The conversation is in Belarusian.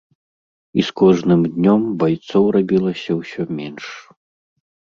І з кожным днём байцоў рабілася ўсё менш.